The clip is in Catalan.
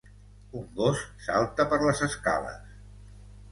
Un gos salta per les escales.